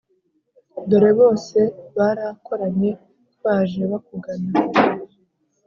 dore bose barakoranye, baje bakugana,